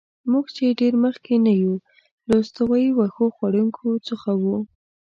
موږ چې ډېر مخکې نه یو، له استوایي وښو خوړونکو څخه وو.